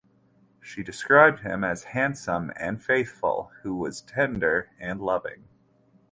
She described him as handsome and faithful who was tender and loving.